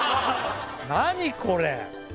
何これ！